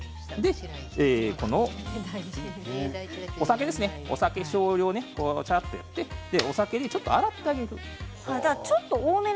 このお酒ですねお酒を少量ちゃーっとやってお酒でちょっと洗ってあげる。